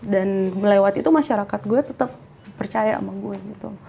dan melewati itu masyarakat gue tetep percaya sama gue gitu